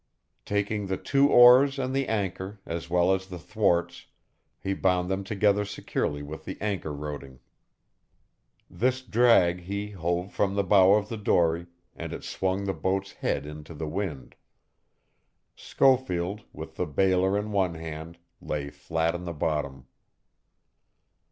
Taking the two oars and the anchor, as well as the thwarts, he bound them together securely with the anchor roding. This drag he hove from the bow of the dory, and it swung the boat's head into the wind. Schofield, with the bailer in one hand, lay flat in the bottom.